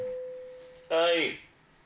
はい。